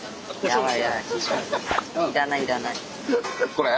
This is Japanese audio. これ？